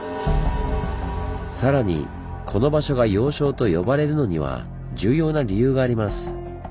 さらにこの場所が「要衝」と呼ばれるのには重要な理由があります。